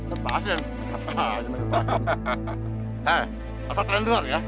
hei saya pengen dengar ya